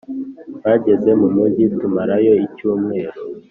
twageze mu mujyi, tumarayo icyumweru.